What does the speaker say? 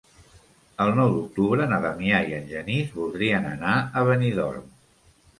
El nou d'octubre na Damià i en Genís voldrien anar a Benidorm.